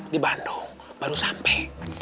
di bandung baru sampai